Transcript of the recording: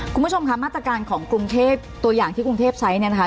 คุณผู้ชมค่ะมาตรการของกรุงเทพตัวอย่างที่กรุงเทพใช้เนี่ยนะคะ